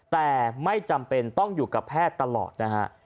แต่ไม่จำเป็นต้องอยู่กับแพทย์ตลอดนะฮะ